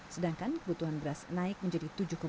sedangkan kebutuhan beras naik menjadi tiga enam juta ton